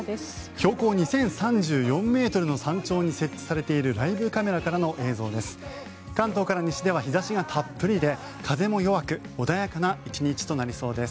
標高２０３４ｍの山頂に設置されているライブカメラからの映像です。